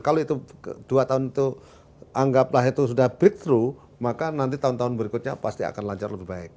kalau itu dua tahun itu anggaplah itu sudah breakthrough maka nanti tahun tahun berikutnya pasti akan lancar lebih baik